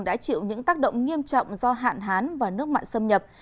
đã chịu những tác động nghiêm trọng do hạn hán và nước mặn xâm nhập